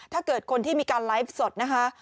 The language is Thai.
ถ้าเกิดคนที่มีการไลฟ์สดนะคะ